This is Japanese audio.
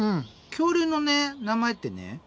恐竜のね名前ってね○